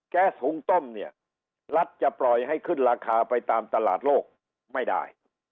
แก๊สหุงต้มเนี่ยรัฐจะปล่อยให้ขึ้นราคาไปตามตลาดโลกไม่ได้